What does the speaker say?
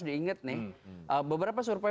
diingat nih beberapa survei